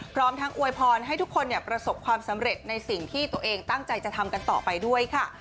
พร้อมทั้งอวยพรให้ทุกคนประสบความสำเร็จในสิ่งที่ตัวเองตั้งใจจะทำกันต่อไปด้วยค่ะ